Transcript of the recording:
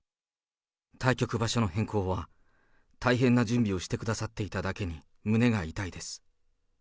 対局場所の変更は、大変な準備をしてくださっていただけに胸が痛いです。